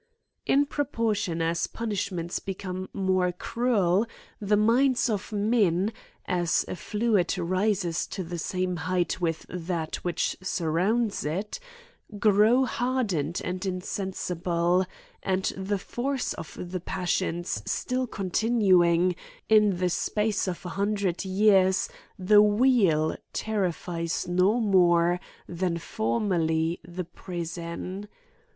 In proportion as punishments become more cruel, the minds of men, as a fluid rises to the same he ight with that which surrounds it, grow hardened and insensible ; and the force of the passions still continuing, in the space of an hun* dred years the wheel terrifies no more than for* merly the prison.